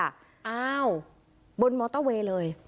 อ้าวบนมอเตอร์เวย์เลย